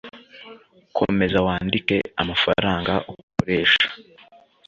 Komeza wandike amafaranga ukoresha.